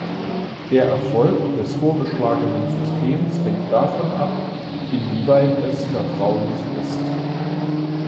Der Erfolg des vorgeschlagenen Systems hängt davon ab, inwieweit es vertraulich ist.